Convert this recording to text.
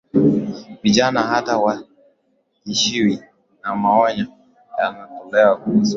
vijana hata hawatishwi na maonyo yanayotolewa kuhusu